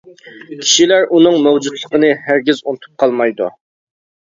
كىشىلەر ئۇنىڭ مەۋجۇتلۇقىنى ھەرگىز ئۇنتۇپ قالمايدۇ.